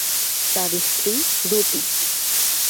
তার স্ত্রী রতি।